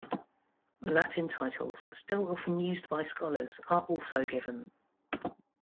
Latin titles, still often used by scholars, are also given.